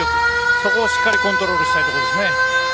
そこをしっかりコントロールしたいところですね。